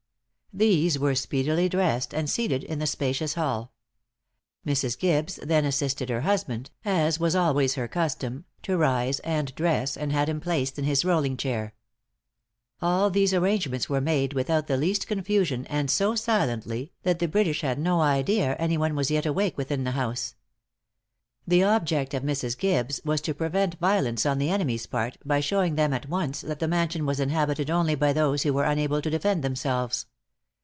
These were speedily dressed and seated in the spacious hall. Mrs. Gibbes then assisted her husband, as was always her custom to rise and dress, and had him placed in his rolling chair. All these arrangements were made without the least confusion, and so silently, that the British had no idea anyone was yet awake within the house. The object of Mrs. Gibbes was to prevent violence on the enemy's part, by showing them at once that the mansion was inhabited only by those who were unable to defend themselves.